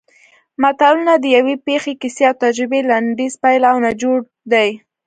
متلونه د یوې پېښې کیسې او تجربې لنډیز پایله او نچوړ دی